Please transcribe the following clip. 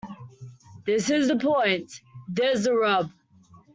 This is the point. There's the rub.